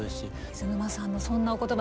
水沼さんのそんなお言葉